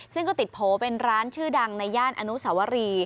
ซึ่งก็ติดโผล่เป็นร้านชื่อดังในย่านอนุสวรี